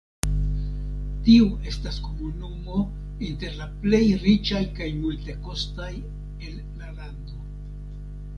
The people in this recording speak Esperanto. Tiu estas komunumo inter la plej riĉaj kaj multekostaj el la lando.